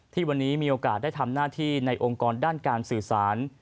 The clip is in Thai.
ที่วันนี้มีโอกาสได้ทำหน้าที่ในองค์กรด้านการสื่อสาร